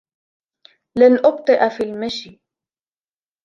لَنْ أُبْطِئَ فِي الْمَشْي.